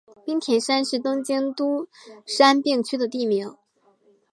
滨田山是东京都杉并区的地名。